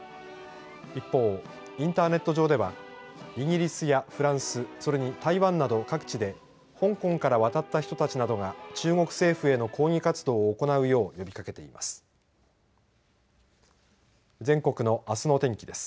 一方、インターネット上ではイギリスやフランスそれに台湾など各地で香港から渡った人たちなどが中国政府への抗議活動を行うよう呼びかけています。